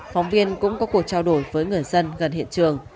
phóng viên cũng có cuộc trao đổi với người dân gần hiện trường